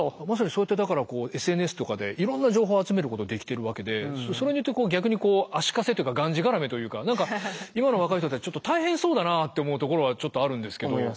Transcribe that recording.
まさにそうやってだからこうＳＮＳとかでいろんな情報を集めることできてるわけでそれによって逆にこう足かせというかがんじがらめというか何か今の若い人たちちょっと大変そうだなって思うところはちょっとあるんですけど。